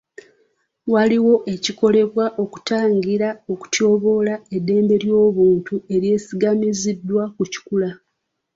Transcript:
Waliwo ekikolebwa okutangira okutyoboola ddembe ly'obuntu eryesigamiziddwa ku kikula.